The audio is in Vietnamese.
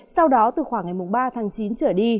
sau đó từ khoảng ngày ba tháng chín trở đi